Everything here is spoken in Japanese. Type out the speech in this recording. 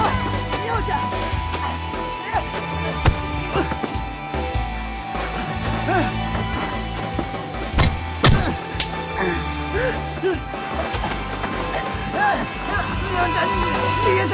美穂ちゃん逃げて！